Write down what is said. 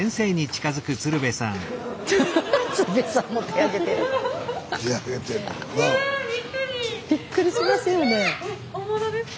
スタジオびっくりしますよね。